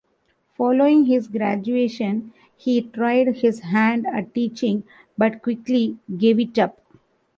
Following his graduation, he tried his hand at teaching, but quickly gave it up.